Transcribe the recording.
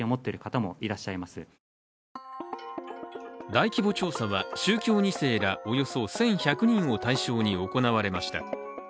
大規模調査は宗教２世らおよそ１１００人を対象に行われました。